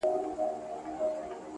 قاسم یار مین پر داسي جانانه دی,